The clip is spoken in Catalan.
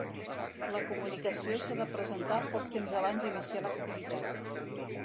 La comunicació s'ha de presentar poc temps abans d'iniciar l'activitat.